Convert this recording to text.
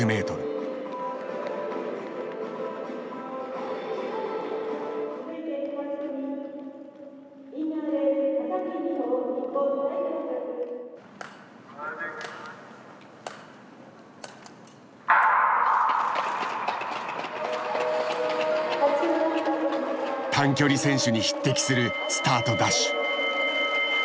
短距離選手に匹敵するスタートダッシュ。